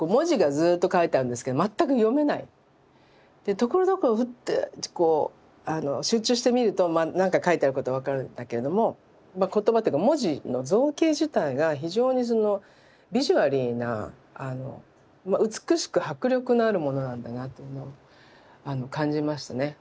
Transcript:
ところどころフッてこう集中して見るとまあなんか書いてあること分かるんだけれども言葉っていうか文字の造形自体が非常にビジュアリーな美しく迫力のあるものなんだなというのを感じましてね。